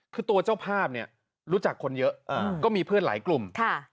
คือตัวเจ้าภาพเนี่ยรู้จักคนเยอะก็มีเพื่อนหลายกลุ่มค่ะ